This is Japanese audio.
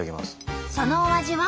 そのお味は？